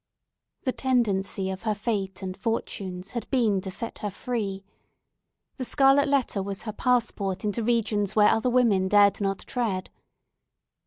The tendency of her fate and fortunes had been to set her free. The scarlet letter was her passport into regions where other women dared not tread.